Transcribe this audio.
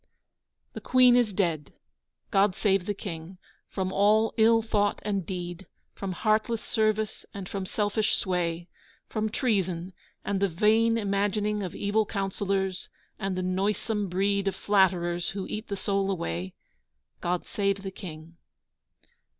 The Queen is dead. God save the King! From all ill thought and deed, From heartless service and from selfish sway, From treason, and the vain imagining Of evil counsellors, and the noisome breed Of flatterers who eat the soul away, God save the King!